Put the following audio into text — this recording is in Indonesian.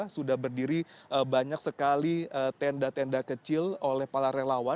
sudah berdiri banyak sekali tenda tenda kecil oleh para relawan